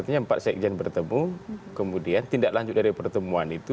artinya empat sekjen bertemu kemudian tindak lanjut dari pertemuan itu